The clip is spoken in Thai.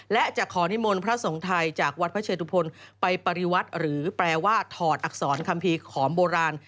และจะขอนิมนต์พระสงฆ์ไทยจากวัดพระเชตุพลไปปฏิวัติหรือแปลว่าถอดอักษรคัมภีร์ขอมโบราณ